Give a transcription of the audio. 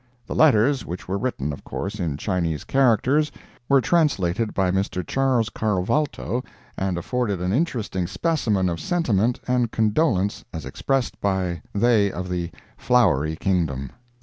The letters, which were written, of course, in Chinese characters, were translated by Mr. Charles Carvalto, and afforded an interesting specimen of sentiment and condolence as expressed by they of the Flowery Kingdom.